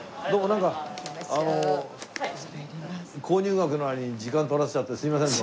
なんか購入額の割に時間取らせちゃってすいません。